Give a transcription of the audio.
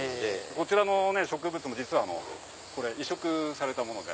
こちらの植物も移植されたもので。